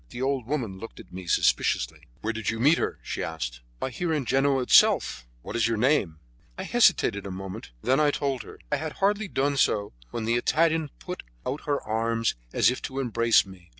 The old woman looked at me suspiciously. "Where did you meet her?" she asked. "Why, here in Genoa itself." "What is your name?" I hesitated a moment, and then I told her. I had hardly done so when the Italian put out her arms as if to embrace me.